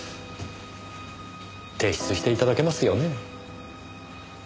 提出していただけますよね？